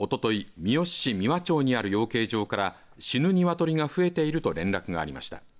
三和町にある養鶏場から死ぬ鶏が増えていると連絡がありました。